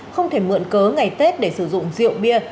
không thể mượn cớ ngày tết để sử dụng rượu bia